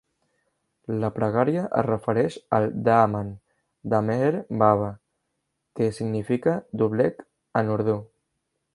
La pregària es refereix al "daaman" de Meher Baba, que significa "doblec" en urdú.